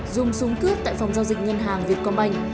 dùng súng cướp tại phòng giao dịch ngân hàng việt công anh